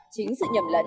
chính sự nhầm lẫn